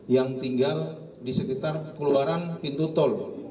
yang tinggal di sekitar keluaran pintu tol